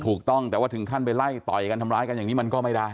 ถูกต้องแต่ว่าถึงขั้นไปไล่ต่อยกันทำร้ายกันอย่างนี้มันก็ไม่ได้